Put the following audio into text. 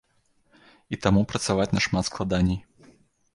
І таму працаваць нашмат складаней.